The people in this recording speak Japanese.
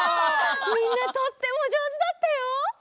みんなとってもじょうずだったよ。